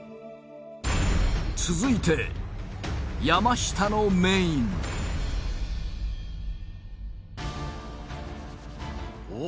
続いて山下のメインおっ？